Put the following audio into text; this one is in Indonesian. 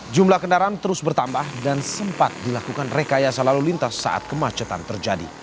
jumlah kendaraan terus bertambah dan sempat dilakukan rekayasa lalu lintas saat kemacetan terjadi